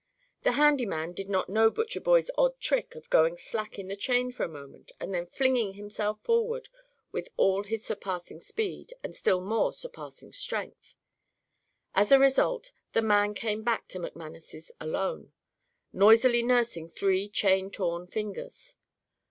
The handy man did not know Butcherboy's odd trick of going slack on the chain for a moment and then flinging himself forward with all his surpassing speed and still more surpassing strength. As a result, the man came back to McManus's alone, noisily nursing three chain torn fingers.